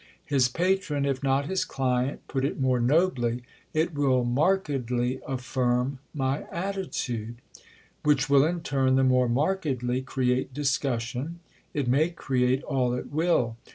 His patron—if not his client—put it more nobly. "It will markedly affirm my attitude." "Which will in turn the more markedly create discussion." "It may create all it will!"